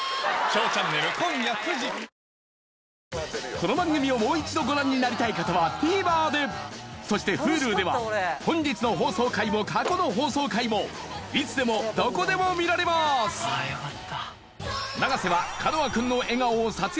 この番組をもう一度ご覧になりたい方はＴＶｅｒでそしてＨｕｌｕでは本日の放送回も過去の放送回もいつでもどこでも見られますあっ！